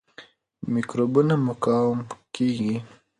میکروبونه مقاوم کیږي.